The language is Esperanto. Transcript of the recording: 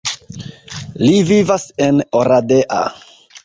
Li vivas en Oradea.